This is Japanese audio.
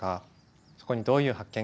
そこにどういう発見があるか